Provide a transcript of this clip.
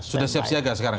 sudah siap siaga sekarang